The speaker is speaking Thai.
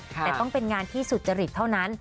แต่ต้องเป็นงานที่สุจริตเท่านั้น